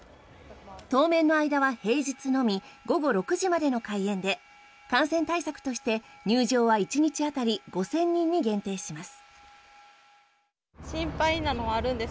当面の間は平日のみ午後６時までの開園で感染対策として入場は１日当たり５０００人に限定します。